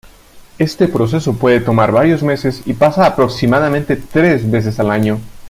Este proceso puede tomar varios meses y pasa aproximadamente tres veces al año.